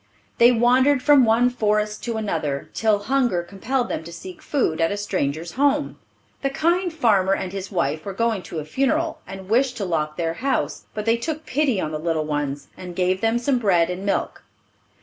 They wandered from one forest to another, till hunger compelled them to seek food at a stranger's home. The kind farmer and his wife were going to a funeral, and wished to lock their house; but they took pity on the little ones, and gave them some bread and milk.